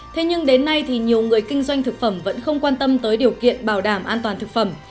thế nhưng đến nay thì nhiều người kinh doanh thực phẩm vẫn không quan tâm tới điều kiện bảo đảm an toàn thực phẩm